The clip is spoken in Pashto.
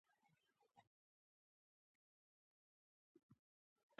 د جومک ماما د دغې خبرې په مقابل کې طالبانو هغه وواهه.